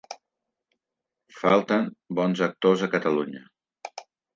Falten bons actors a Catalunya.